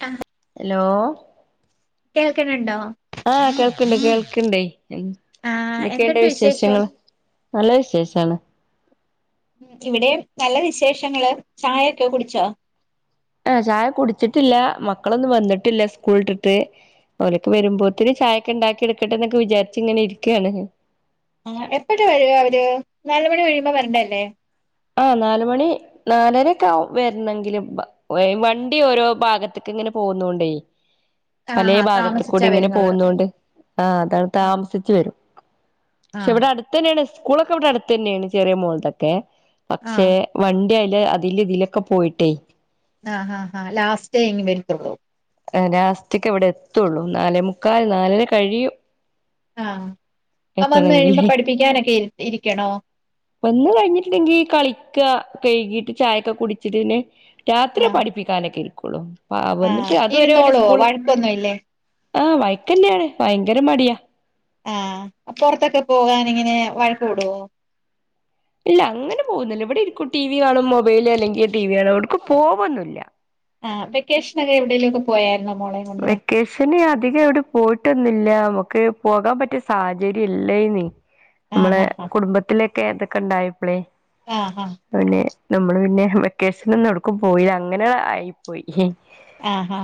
ആ ഹലോ കേൾക്ക്ണ് ണ്ടോ ആ കേൾക്ക്ണ്ട് കേൾക്ക്ണ്ടേ ആഹ് ന്തേക്കെയിണ്ട് എന്തുണ്ട് വിശേഷം വിശേഷങ്ങള് നല്ല വിശേഷാണ് ഇവിടേം നല്ല വിശേഷങ്ങള് ചായക്കെ കുടിച്ചോ ആ ചായ കുട്ച്ട്ടില്ല മക്കളൊന്നും വന്നിട്ടില്ല സ്കൂൾട്ട്ട്ട് ഓലൊക്ക വരുമ്പോത്തിനും ചായൊക്കെ ഇണ്ടാക്കി എടുക്കട്ടെന്നൊക്കെ വിചാരിച്ച് ഇങ്ങനെ ഇര്ക്കാണ് ആ എപ്പഴാ വര അവര് നാല് മണി കഴിയുമ്പോ വരണ്ട അല്ലേ ആ നാല് മണി നാലരക്ക ആവും വര്ണെങ്കിലും വണ്ടി ഓരോ ഭാഗത്ത്ക്ക് ഇങ്ങനെ പോവുന്നോണ്ടേ പലേ ആഹ് ഭാഗത്ത് കൂടി താമസിച്ചാ ഇങ്ങനെ വരുന്നത് പോവുന്നോണ്ട് ആ അതാണ് ആഹ് താമസിച് വരും ക്ഷെ ആഹ് ഇവിടെ അടുത്തെന്നെയാണ് സ്കൂളൊക്കെ ഇവിടെ അടുത്തെന്നെയാണ് ചെറിയ മോള്തൊക്കെ പക്ഷെ ആഹ് വണ്ടി അയ്ല് അതില് ഇതിലൊക്കെ പോയിട്ടേ ആ ഹാ ഹാ ഹാ ലാസ്റ്റ് ഇങ് വരുത്തുള്ളൂ ആഹ് ലാസ്റ്റക്ക് ഇവിടെ എത്തുള്ളൂ നാലേ മുക്കാൽ നാലര കഴിയും ആഹ് ആ വന്ന് കഴിയുമ്പോ എത്തണെങ്കില് പഠിപ്പിക്കാനൊക്കെ ഇരിക്കണോ വന്ന് കഴിഞ്ഞിട്ട്ണ്ടെങ്കിൽ കളിക്ക കഴുകിട്ട് ചായൊക്കെ കുടിച്ചിട്ട് പിന്നെ രാത്രിയേ ആഹ് പഠിപ്പിക്കാനൊക്കെ ഇരിക്കുള്ളൂ പ ആഹ് വന്നിട്ട് അത് വരെ ഓല് ഇരുന്നോളോ സ്കൂള് വഴക്കൊന്നുംല്ലേ ആഹ് വൈക്കന്നെയാണ് ഭയങ്കര മടിയാ ആഹ് പൊറത്തൊക്കെ പോകാനെങ്ങനെ വഴക്ക് കൂടുവോ ഇല്ല അങ്ങനെ പോകുന്നില്ല ഇവിടെ ഇരിക്കും ടി വി കാണും മൊബൈല് അല്ലെങ്കിൽ ടി വി ആണോ എവിടുക്കും പോകൊന്നില്ല ആഹ് വെക്കേശ്നൊക്കെ എവിയേലൊക്കെ പോയായിരുന്നോ മോളെ വെക്കേഷ് ശന് അധികം എവിടെ പോയിട്ടൊന്നില്ല നമുക്ക് പോകാൻ പറ്റിയ സാഹചര്യം ഇല്ലേന്നി ആഹ് അമ്മളെ ആഹ് കുടുംബത്തിലൊക്കെ ഇതൊക്കെ ഇണ്ടായപ്പളെ ആഹ് ആഹ് പിന്നെ നമ്മള് പിന്നെ വെക്കേഷനൊന്നും എവ്ടക്കും പോയില്ല അങ്ങനെ ആയി പോയി ആഹാ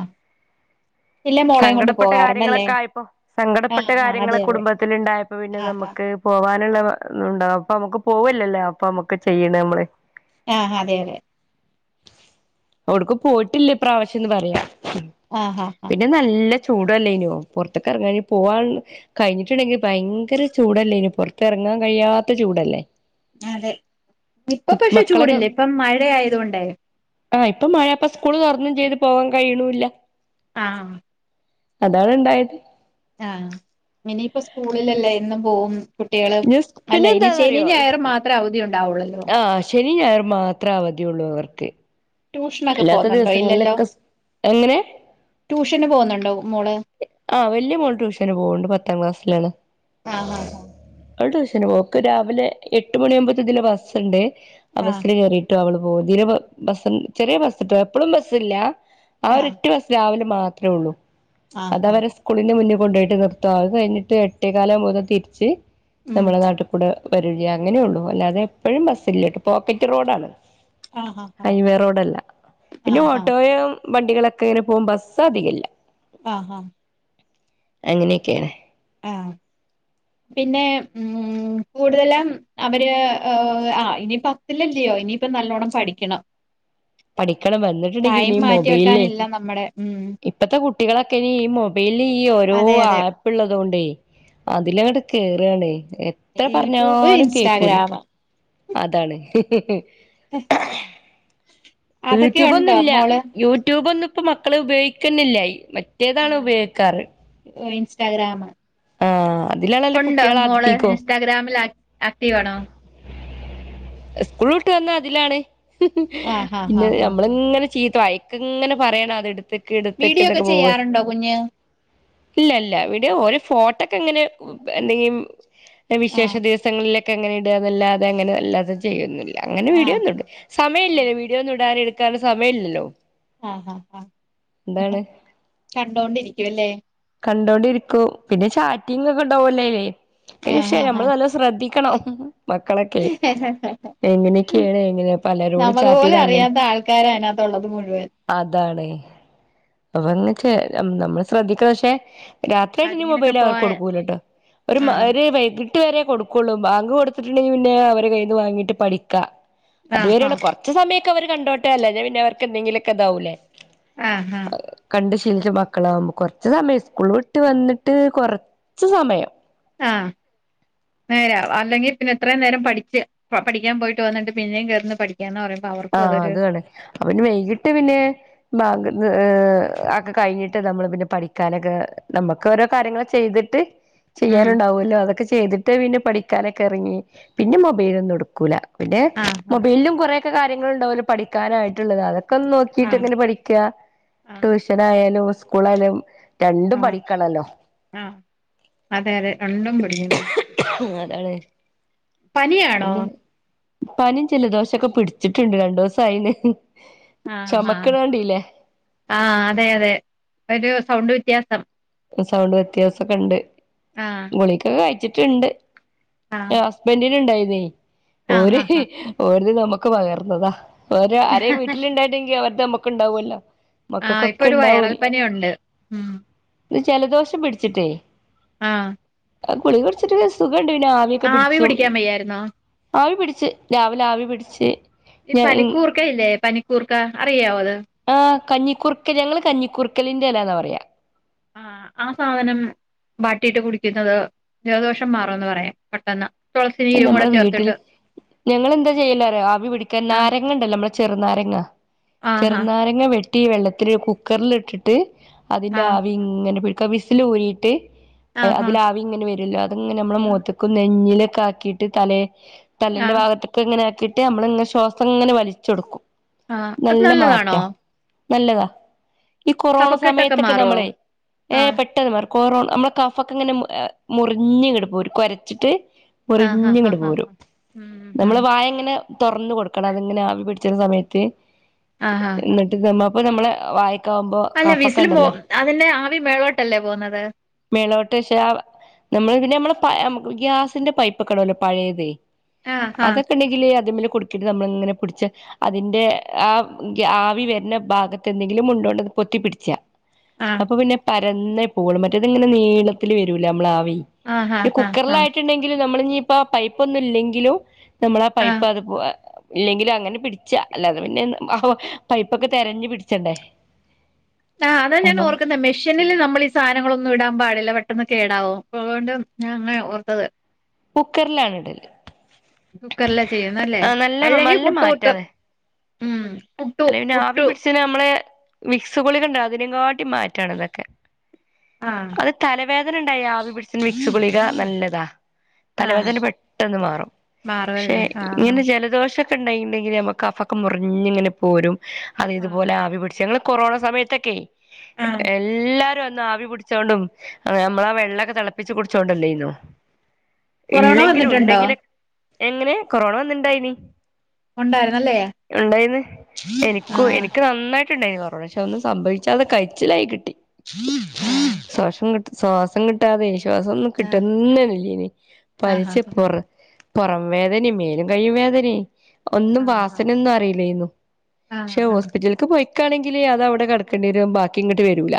സങ്കടപ്പെട്ട പോകാറുണ്ടല്ലേ കാര്യങ്ങളൊക്കെ ആയപ്പോ സങ്കടപ്പെട്ട ആഹ് ആഹ് അതെ കാര്യങ്ങളൊക്കെ അതെ കുടുംബത്തിലിണ്ടായപ്പോ പിന്നെ ആഹ് ആഹ് നമ്മക്ക് പോവാനുള്ള ഉണ്ടാവും അപ്പൊ അമ്മക്ക് പോവല്ലല്ലേ അപ്പൊ അമ്മക്ക് ചെയ്യണ് അമ്മള് ആഹ് അതെ അതെ എവിട്ക്കു പോയിട്ടില്ല ഇപ്രാവശ്യംന്ന് പറയാം ആഹാ നല്ല ചൂടല്ലേനോ പുറത്തൊക്കെ ഇറങ്ങാ പോവാണ് കഴിഞ്ഞിട്ട്ണ്ടെങ്കിൽ ഭയങ്കര ചൂടല്ലേ ഇനി പൊർതെർങ്ങാൻ കഴിയാത്ത ചൂടല്ലേ അതെ ഇപ്പ കു പക്ഷെ മക്കളൊക്കെ ചൂടില്ല ഇപ്പം മഴ ആയത് കൊണ്ടേ ആഹ് ഇപ്പ മഴപ്പ സ്കൂൾ തൊർന്നും ചെയ്ത് പോവാൻ കഴിയിണൂല്ല ആഹ് അതാണിണ്ടായത് ആഹ് ഇനിയിപ്പ സ്കൂളിലല്ലേ ഇന്ന് പോവും കുട്ടികള് അല്ല പിന്നെ ഇനി എന്താന്നറിയോ ശനിയും ഞായറും മാത്രേ അവധി ഉണ്ടാവുള്ളല്ലോ ആഹ് ശനി ഞായറും മാത്രം അവധിയുള്ളൂ അവർക്ക് ട്യൂഷനൊക്കെ അല്ലാത്ത പോന്നുണ്ടോ ഇല്ലല്ലോ ദിവസങ്ങളിലൊക്കെ എങ്ങനെ ട്യൂഷന് പോവുന്നുണ്ടോ മോള് ആഹ് വല്യ മോൾ ട്യൂഷന് പോവ്ണ്ട് പത്താം ക്ലാസ്സിലാണ് ആഹ് ഹഹ അവള് ട്യൂഷൻ പോക്ക് രാവിലെ എട്ട് മണിയവുമ്പോത്തതില ബസ്സ്ണ്ട് ആ ആഹ് ബസ്സില് കേറി ട്ട അവള് പോവും ഇതിലെ ബസ് ചെറിയ ബസ്ട്ടോ എപ്പളും ബസ് ഇല്ല ആഹ് ഒരു റ്റു ബ സ് രാവിലെ മാത്രമേ ഉള്ളൂ ആഹ് അത് ആഹ് ആഹ് അവരെ സ്കൂളിന്റെ മുന്നിൽ കൊണ്ടോയിട്ട് നിർത്തുംത് കഴിഞ്ഞിട്ട് എട്ടേ കാല് ആവുമ്പംതിരിച്ച് ഉം നമ്മളെ നാട്ടിൽ കൂടെ വര അങ്ങനെയ ഉള്ളൂ അല്ലാതെ എപ്പോഴും ബസ്സില്ലപോക്കറ്റ് റോഡാണ് ആഹ് ആഹ് ഹൈവേ റോഡല്ല പിന്നെ ആഹ് ആഹ് ഓട്ടോയും വണ്ടികളൊക്കെ ങ്ങനെ പോകും ബസ് അധികല്ല ആഹ് ആഹ് അങ്ങനെയൊക്കെയാണ് ആഹ് പിന്നെ ഉമ് കൂടുതലും അവര് ആഹ് ഇനിയിപ്പ ല്ലല്ലയോ ഇനിയിപ്പ നല്ലോണ്ണം പഠിക്കണം പഠിക്കണം വന്നിട്ടുണ്ടെങ്കി ടൈം പിന്ന ഈ മാറ്റി മൊബൈലേ വെക്കാനില്ല നമ്മടെ ഉം പ്പോത്തെ കുട്ടികളൊക്കെ ഈ മൊബൈലിൽ ഈ ഓരോ അതെ ആ അതെ പ്പ് ള്ളതോണ്ടേ അതിലങ്ങട് കേറാണ് ത്ര യൂട്യൂബ് പറഞ്ഞാലും കേക്കൂല ഇൻസ്റ്റാഗ്രാം അതാണ് [inaudible] യൂട്യൂബ് ഉണ്ടോ ഒന്നുള്ള മോള് യൂട്യൂബ് ഒന്നും ഇപ്പ മക്കള ഉപയോഗിക്കുന്നല്ല്യ മറ്റേതാണ് ആഹ് ഉപയോഗിക്കാറ് ഇൻസ്റ്റാഗ്രാമ് ആഹ് അതിലാണല്ലോ ഉണ്ടോ കുട്ടികള് മോള് അധികോം ഇൻസ്റ്റാഗ്രാമിലാ ആക്റ്റീവാ ണോ സ്കൂൾ വിട്ട് വന്നാ അതിലാണ് ആഹ് ഹാ ഹാ പിന്നെ ഹാ നമ്മളിങ്ങനെ ചീത്ത വായക്ക് ങ്ങനെ പറയണ അത് ടുത്തക്ക് എടത്തക്ക് വീഡിയോ ഒക്കെ ന്നൊക്കെ ഓര് ചെയ്യാറുണ്ടോ കുഞ്ഞ് ഇല്ല ല്ല വിടെ ഒരു ഫോട്ടോക്കെ അങ്ങനെ എന്തെങ്കും വിശേഷ ആഹ് ദി സങ്ങളിലൊക്കെ ങ്ങനെ ഇടന്നല്ലാതെ ങ്ങനെ അല്ലാതെ ചെയ്യന്നില്ല അങ്ങനെ ആഹ് വീഡിയോന്നുണ്ട് സമയമില്ലല്ലോ വീഡിയോ ഒന്നും ഇടാെ എടുക്കാൻ സമയല്ലല്ലോ ആഹ് ആഹ് ആഹ് കണ്ടോണ്ടിരിക്കുവല്ലേ കണ്ടോണ്ടിരിക്കു പിന്നെ ചാറ്റിങ്ങ് ക്കെ ണ്ടവല്ലേയ്ല് ആഹ് ഹാ ഹാ നമ്മള് നല്ലോം ശ്രദ്ധിക്കണം മക്കളൊക്കെ എങ്ങനെയക്കെയാണ് എങ്ങനെയ പലരോടും ചാറ്റീ അങ്ങനെ ക്കാര അയ്നകത്തുള്ളത് മുഴുവൻ അതാണ് അപ്പൊ നമ്മൾ ശ്രദ്ധിക്കണം ക്ഷെ രാത്രിയായിട്ട് ചാറ്റിങ്ങിനൊക്കെ മൊബൈൽ അവർക്ക് പോയ കൊടുക്കൂലട്ടോ ഒരു മൈ ആഹ് ഒരു വൈകി ട്ട് രെ കൊടുക്കുള്ളൂ ബാങ്ക് കൊടുത്തിട്ടുണ്ടെങ്കിൽ പിന്നെ അവരെ കയ്ന്ന് വാങ്ങിട്ട് പഠിക്കാ ആഹ് അതുവരെയുള്ള ആഹ് കൊ റച് സമയൊക്കെ അവര് കണ്ടോട്ടെ അല്ലാഞ്ഞാൽ പിന്നെ അവർക്കെന്തെങ്കിലുമോക്കെ താവൂല്ലേ ആഹ് ആഹ് കണ്ട് ശീലിച്ച മക്കളാവുമ്പോ കൊറച്ച് സമയം സ്കൂള ഇട്ട് വന്നിട്ട് കൊറച്ച് സമയം ആഹ് നേരാ അല്ലെങ്കിൽ പിന്നെ എത്രയും നേരം പഠിച്ച് പഠിക്കാൻ പോയിട്ട് വന്നിട്ടണ്ട് പിന്നെയും കേർന്ന് പഡി ന്ന് പറിമ്പോ അവര് ആഹ് അതു ആണ് അപ്പോ വൈകിട്ട് പിന്നെ ബാങ്ക് ഒക്കെ കഴിഞ്ഞിട്ട് നമ്മള് പിന്നെ പഠിക്കാനൊക്കെ നമുക്ക് ഓരോ കാര്യങ്ങൾ ചെയ്തി ട്ട് ഉം ചെയ്യാനുണ്ടാവുല്ലോ അതൊക്കെ ചെയ്തിട്ട് പിന്നെ പഠിക്കാനൊക്കെ ഇറങ്ങി പിന്നെ മൊബൈലൊന്നും ടുക്കൂല പിന്നെ ആഹ് ആഹ് മൊബൈലിലും കുറെക്കെ കാര്യങ്ങളൾ ഉണ്ടാവല്ലോ പഠിക്കാനായിട്ടുള്ളത് അതൊ നോക്കിട്ട് ങ്ങനെ പഠിക്ക ആഹ് ട്യൂഷൻ ആയാലും സ്കൂൾ ആയാലും ആഹ് ആഹ് അതെ അതെ രണ്ടും പിടിക്ക അതാണ് പനിയാണോ പിന്നെ പനിയും ജലദോശൊക്കെ പിടിച്ചിട്ടുണ്ട് രണ്ടീസം ആയിന് ആഹ് ആഹ് ചുമക്കണ കണ്ടില്ലേ ആഹ് അതെ അതെ ഒരു സൗണ്ട് വ്യത്യാസം സൗണ്ട് വ്യത്യാസംക്കെ ഉണ്ട് ആഹ് ഗുളികക്കെ കഴിച്ചിട്ടുണ്ട് ആഹ് ഹസ്ബൻഡിന് ഇണ്ടായിന്നെ ആഹ് ഓല് ആഹ് ആഹ് ഓര് ത് നമുക്ക് പകർന്നതാ ഓര് ആരേ വീട്ടിലുണ്ടായിണ്ടാണ്ടെ ങ്കി അവരുടെ നമ്മുക്ക്ണ്ടാവല്ലോ ആ ഇപ്പൊ ഒരു വയറൽപ്പനീയൊ ണ്ട് ഉ ഇത് ജലദോഷം പിടിച്ചിട്ടേ ആഹ് അത് ഗുളിക കുടിച്ചിട്ട് സുഖണ്ട് പിന്നെ ആവിയൊക്കെ ആവി പിടിച്ചും പിടിക്കാൻ വയ്യായിരുന്നോ ആവിപിടിച്ച് രാവിലെ ആവിപിടിച്ച് ഈ പനിക്കൂർക്ക ഇല്ലേ പനിക്കൂർക്ക അറിയാവോ അത് ആഹ് കഞ്ഞിക്കൂർക്ക ഞങ്ങള് കഞ്ഞിക്കൂർക്കലിന്റെ എലാന്നാപറയാ ആഹ് ആ സാധനം വാട്ടിയിട്ട് കുടിക്കുന്നത് ജലദോഷം മാറുംന്ന് പറയാം പെട്ടെന്ന് അത് തുളസിനീരും കൂടെ ഞമ്മളെ ചേർത്തിട്ട് വീട്ടില് ഞങ്ങളെന്താ ചെയ്യല് അറിയോ ആവിപിടിക്കൻ ആഹ് നാര ങ്ങ ഇണ്ടല്ലോ ഇമ്മളെ ചെറ്നാരങ്ങ ആഹാ ചെറ്നാരങ്ങ വെ ട്ടി വെള്ളത്തില് കുക്കർല് ഇട്ടിട്ട് അതിന്റെ ആവി ഇങ്ങനെ പിടിക്കും വിസില് ഊരിയിട്ട് ഏഹ് ആഹാ അതിലെ ആവി ഇങ്ങനെ വെരൊല്ലോ അത്ഇങ്ങനെ ഞമ്മളെ മോത്ത്ക്കും നെഞ്ഞിലെക്കെ ആക്കിയിട്ട് തലേ തലെന്റെ ആഹ് ഭാഗത്ത്ക്ക് ഇങ്ങനെ ആക്കിയിട്ട് അമ്മള് ഇങ്ങനെ ശ്വാസം ഇങ്ങനെ വലിച്ചാെട്ക്കും ആഹ് അത് നല്ലതാണോ നല്ലമാറ്റാ നല്ലതാ ഈ കൊറോണ കഫക്കെട്ടൊക്കെ സമയത്തൊക്കെ മാറുവോ നമ്മളെ ഏഹ് ആഹ് പെട്ടെന്ന് മാറും കൊറോണ അമ്മളെ കഫംഒക്കെ ഇങ്ങനെ മു ഏ മുറിഞ്ഞ് ഇങ്ങണ്ട് പോരും കൊരച്ചിട്ട് ആഹ് ആഹ് മുറിഞ്ഞ്ഇങ്ങട് ആഹ് പോരും ആഹ് ഉം ഉം നമ്മള് വായ ഇങ്ങനെ തൊറന്ന് കൊട്ക്കണം അത് ഇങ്ങനെ ആവി പിടിച്ച്ണ സമയത്ത് ആഹാ ഇന്ന്ട്ട് നമ്മളപ്പം നമ്മളെ വായേക്ക് അല്ല വിസ് ല് മോ അതിന്റെ ആവി മേളോട്ടല്ലേ പോവുന്നത് മേളോട്ട് പക്ഷെ നമ്മള് പിന്നെ നമ്മളെ പയെ ഗ്യാസിന്റെ പൈപ്പാെക്കെ ഇടൊല്ലോ പയേത് ആഹ് ആഹ് അതെക്കെ ഇണ്ടെങ്കില് അദ്മ്മെല് കൊട്ത്തിട്ട് നമ്മള് ഇങ്ങനെ പിടിച്ചാ അതിന്റെ ആ ആവി വെര്ന ഭാഗത്ത് എന്തെങ്കിലും മുണ്ടോണ്ട് ഒന്ന് പൊത്തിപ്പിടിച്ചാ അപ്പൊ പിന്നെ പരന്നേ പോവൊള്ളൂ മറ്റേത്ഇങ്ങനെ നീളത്തില് വെരൂലെ അമ്മളെ ആവി ആഹ് ആഹ് ആഹ് പിന്നെ ആഹ് ആഹ് ആഹ് കുക്കറിലായിട്ട് ഇണ്ടെങ്കില് നമ്മള് ഇഞ്ഞ്ഇപ്പൊ പൈപ്പ് ഒന്നും ഇല്ലെങ്കിലും ഞമ്മളാ പൈപ്പ് അത് പോലെ ഇല്ലെങ്കിലും അങ്ങനെ പിടിച്ചാ അല്ലാതെ പിന്നെ എൻ അഹാെ പൈപ്പൊക്കെ തെരഞ്ഞ് പിടിച്ചണ്ടേ ആഹ് അതാ ഞാൻ അപ്പൊ ഓർക്കുന്നെ മി മിഷ്യനില് നമ്മള് ഈ സാനങ്ങളൊന്നും ഇടാംപാടില്ല പെട്ടെന്ന് കേടാവും അപ്പൊ അതുകൊണ്ട് ഞാ ഇങ്ങനെ ഓർത്തത് കുക്കർലാണ് ഇടല് കുക്കറിലാ ചെയ്യുന്നത് അല്ലേ ആ നല്ല അല്ലെങ്കി നല്ല പുട്ട് കുത്തും അല്ലെങ്കി പിന്നെ ആവി പുട്ടു പിടിച്ച്ണ അമ്മളെ വിക്സ് ഗുളിക ഇണ്ടാേ അത് നെങ്കാട്ടി മാറ്റാണ് ഇതക്കെ ആഹ് തലവേദന ഇണ്ടായി ആവി പിടിച്ച്ണ വിക്സ് ഗുളിക നല്ലതാ ആഹ് തലവേദന പെട്ടെന്ന് മാറും പക്ഷെ മാറുവല്ലേ ആഹ് ഇങ്ങനെ ആഹ് ജലദോഷ ഷം ഇണ്ടായി ഇണ്ടെങ്കില് ഞമ്മക്ക് കഫൊക്കെ മുറിഞ്ഞ് ഇങ്ങനെ പോരും അത് ആഹ് ഇതുപോലെ ആവിപിടിച്ചാ ഇങ്ങള് കൊറോണ സമയത്ത് ത്തെക്കേയ് ആഹ് എല്ലാരും ഒന്ന് ആവിപുടി ടിച്ചോണ്ടും നമ്മള് ആ വെള്ളാെക്കെ തെളപ്പിച്ച് കുടിച്ചോണ്ടെല്ലേയ്ന്നോ കൊറോണ ഇല്ലെങ്കിലും വന്നിട്ടുണ്ടോ ഇണ്ടെങ്കിലെ എങ്ങനെ കൊറോണ വന്ന്ഇണ്ടായിനി ഉണ്ടായിരുന്നല്ലേ ഇണ്ടായിന്ന് എനിക്കും ആഹ് എനിക്ക് നന്നായിട്ട് ഇണ്ടായിന് കൊറോ പക്ഷെ ഒന്നും സംഭവിച്ചാതെ കിയിച്ചലായി കിട്ടി ആഹ് ശ്വാഷംഇങ്ങട്ട് സ്വാസം ഇങ്ങട്ട് ട്ടാതെ ശ്വാസൊന്നും കിട്ടുന്നെ ഇല്ലേയ്നീ ആഹ് പനിച്ച്പ്പൊറ് പൊറം വേദനിം മേലും കയ്യും വേദനിം ഒന്നും ആഹ് വാസനെന്നും അറീലേയ്ന്നു ആഹ് പക്ഷെ ആഹ് ഹോസ്പിറ്റൽക്ക് പാെയ്ക്കാണെങ്കില് അത് അവടെ കടക്കെണ്ടേരും ബാക്കി ഇങ്ങട്ട് വെരൂല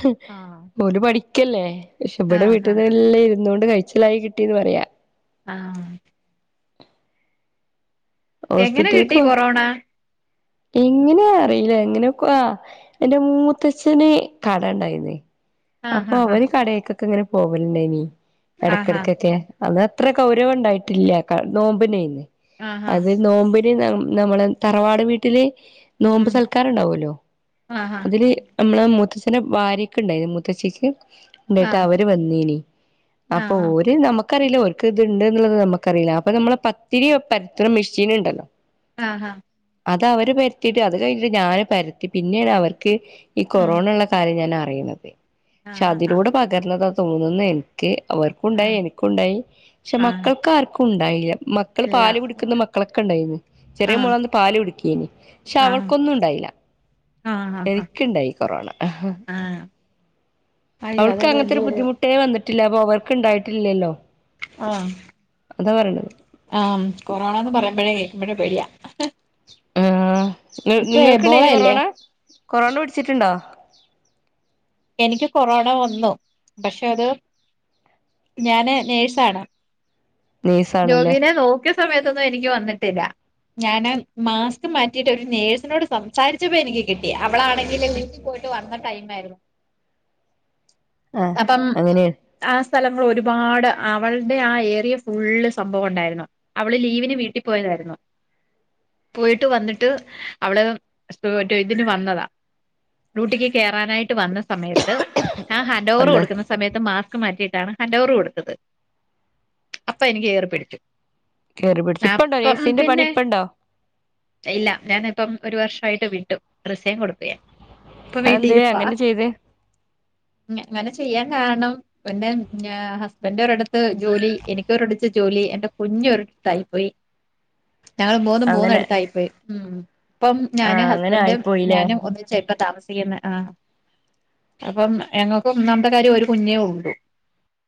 ഹ് ആഹ് ഓല് പഠിക്ക്യല്ലേ പക്ഷേ ആഹ് ഇവടെ ആഹ് ആഹ് വീട്ടിന്ന് എല്ലാം ഇര്ന്നോണ്ട് കഴിച്ചിലായി കിട്ടിന്ന് പറയാ ആഹ് എങ്ങനെ കിട്ടി ഹോസ്പിറ്റല്ക്കോ കൊറോണ എങ്ങനെയാ അറീല്ല എങ്ങനെയൊക്കോ ആഹ് എന്റെ മൂത്തച്ഛന് കട ഇണ്ടായിര്ന്നേ ആഹ് അപ്പോ ആഹ് അവര് കടേക്കൊക്കെ ഇങ്ങനെ പോവല്ണ്ടേനി ആഹ് എടക്കെടക്കൊക്കെ അത് അത്ര ഗൗരവം ഇണ്ടായിട്ടില്ലാക്കാ നോമ്പിനേന്ന് ആഹ് ആഹ് അത് നോമ്പിന് ന നമ്മളെ തറവാട് വീട്ടില് നോമ്പ് ഉം സൽക്കാരം ഇണ്ടാവല്ലോ ആഹ് അതില് ഞമ്മളെ മുത്തച്ഛന്റെ ഭാര്യക്ക് ഇണ്ടായിന് മുത്തച്ചിക്ക് ണ്ടായിട്ട് ആഹ് അവര് വന്നീനി അപ്പൊ ആഹ് ഓര് നമ്മ ക്കറീല്ല ഓല്ക്ക് ഇത്ണ്ട്ന്ന്ള്ളത് നമ്മക്കറീല്ല അപ്പൊ നമ്മളെ പത്തിരി പര്ത്ത്ണെ മെഷീന് ഇണ്ടല്ലോ ആഹ് ഹാ അത് അവര് പരത്തിയിട്ട് അത് കഴിഞ്ഞിട്ട് ഞാന് പരത്തി പിന്നേണ് അവർ ക്ക് ഈ ഉം കൊറോണള്ള കാര്യം ഞാൻ അറീണത് പക്ഷേ ആഹ് ആഹ് അതിലൂടപ്പോ പകർന്നതാ തോന്നുന്നു എന്ക്ക് അവർക്കും ഇണ്ടായി ആഹ് എനിക്കുണ്ടായി പക്ഷേ ആഹ് മക്കൾക്കാര്ക്കും ഉണ്ടായില്ല മക്കൾ പാല് എല്ലാം കുടി ക്ക്ന്ന മക്കളൊക്കെ ഇണ്ടായിനി ചെറിയ ആഹ് മോളന്ന് പാല് കുടിക്ക്യേനി പക്ഷേ ആഹ് അവൾക്കൊന്നും ഉണ്ടായില്ല ആഹ് ആഹ് എനിക്ക് ഇണ്ടായി കൊറോണ ആഹ് അയ്യോ അവൾക്ക് അതൊരു അങ്ങനത്തൊരു വലിയൊരു ബുദ്ധിമുട്ടേ വന്നിട്ടില്ല അപ്പൊ അവർക്ക് ഇണ്ടായിട്ടില്ലേല്ലോ ആഹ് അതാ പറിണത് ആഹ് കൊറോണാന്ന് പറിമ്പഴേ ഇബടെ പേടിയാ നി ഇപ്പൊ നിങ്ങൾക്ക്ണ്ടേയിന്യോ എബോളയല്ലേ കൊറോണ കൊറോണ പിടിച്ചിട്ട്ണ്ടോ എനിക്ക്യ് കൊറോണ വന്നു പക്ഷേ അത് ഞാന് നേഴ്സാണ് നൈസാണല്ലേ രോഗിനെ നോക്കിയ സമയത്തൊന്നും എനിക്ക്യ് വന്നിട്ടില്ല ഞാന് മാസ്ക് മാറ്റിയിട്ട് ഒരു നേഴ്സിനോട് സംസാരിച്ചപ്പോ എനിക്ക്യ് കിട്ടി അവളാണെങ്കില് വീട്ടില് പോയി ട്ട് വന്ന ടൈമാര്ന്നു ആ അപ്പം അങ്ങനെയാണ് ആഹ് സ്ഥലങ്ങള് ഒരുപാട് അവള്ടെ ആഹ് ഏരിയ ഫുള്ള് സംഭവം ഇണ്ടായിരുന്നു അവള് ലീവിന് വീട്ടി പോയതാരുന്നു പോയിട്ട് വന്നിട്ട് അവള് [unintelligible] ഇതിന് വന്നതാ ഡ്യൂട്ടിക്ക് കേറാനായിട്ട് വന്ന സമയത്ത് ആ ഹാൻഡ് ഓവർ വന്ന് കൊടുക്കുന്ന സമയത്ത് മാസ്ക് മാറ്റിയിട്ടാണ് ഹാൻഡ് ഓവർ കൊടുത്തത് അപ്പൊ എനിക്ക്യ് എയറി പിടിച്ചു കേറി പിടിച്ചു ഇപ്പണ്ടോ അപ്പം നേഴ്സിന്റെ പണി പിന്നെ ഇപ്പണ്ടോ ഇല്ല ഞാന് ഇപ്പം ഒരു വർഷായിട്ട് വിട്ടു റിസൈൻ കൊടുത്തു ഞാൻ ഇപ്പൊ അഹ് എന്തേ അങ്ങനെ ചെയ്തെ ഇങ്ങ ഇങ്ങനെ ചെയ്യാൻ കാരണം പിന്നെ ഉം ഞാ ഹസ്ബൻഡ് ഒരിടത്ത് ജോലി എനിക്കോ ഒരിടത്ത് ജോലി എന്റെ കുഞ്ഞ് ഒരിട്ത്തായി പോയി ഞങ്ങള് മൂന്നും മൂന്ന് അങ്ങനെ എട്ത്തായിപ്പോയി ഉം ഇപ്പം ആ ഞാന് അങ്ങനെ ഹസ്ബൻഡും ആയിപ്പോയില്ലേ ഞാനും ഒന്നിച്ചാ ഇപ്പ താമസിക്കിന്നെ ആഹ് അപ്പം ഞങ്ങൾക്കും ഒന്നാമത്തെ കാര്യം ഒരു കുഞ്ഞേ ഉള്ളു